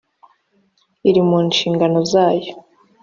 iri mu nshingano zayo